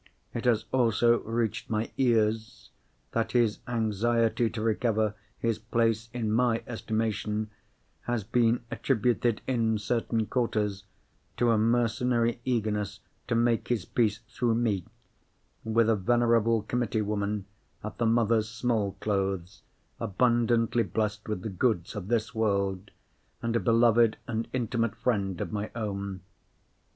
It has also reached my ears, that his anxiety to recover his place in my estimation has been attributed in certain quarters, to a mercenary eagerness to make his peace (through me) with a venerable committee woman at the Mothers' Small Clothes, abundantly blessed with the goods of this world, and a beloved and intimate friend of my own.